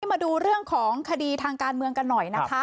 มาดูเรื่องของคดีทางการเมืองกันหน่อยนะคะ